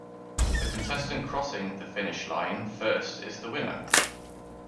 The contestant crossing the finish line first is the winner.